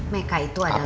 meka itu adalah